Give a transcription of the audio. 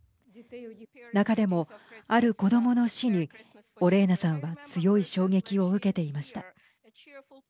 中でも、ある子どもの死にオレーナさんは強い衝撃を受けていました。